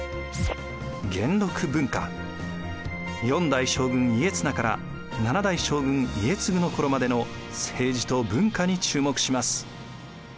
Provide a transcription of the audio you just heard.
４代将軍・家綱から７代将軍・家継の頃までの政治と文化に注目します。